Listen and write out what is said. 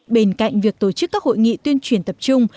bên cạnh việc tổ chức các hội nghị tuyên truyền